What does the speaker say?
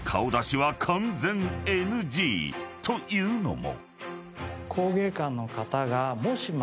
［というのも］